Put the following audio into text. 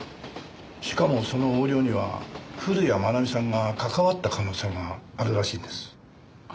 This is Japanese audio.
しかもその横領には古谷愛美さんが関わった可能性があるらしいんです。